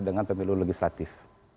dengan pemilu legislatif